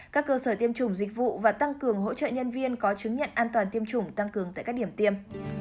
các cơ sở tiêm chủng dịch vụ và tăng cường hỗ trợ nhân viên có chứng nhận an toàn tiêm chủng tăng cường tại các điểm tiêm